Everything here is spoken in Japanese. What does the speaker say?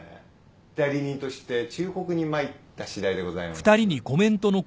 代理人として忠告に参ったしだいでございます。